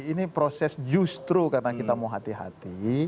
ini proses justru karena kita mau hati hati